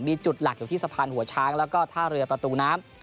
มีจุดหลักอยู่ที่สะพานหัวช้างแล้วก็ท่าเรือประตูน้ำ